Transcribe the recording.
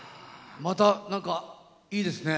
また、いいですね。